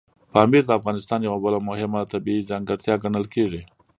پامیر د افغانستان یوه بله مهمه طبیعي ځانګړتیا ګڼل کېږي.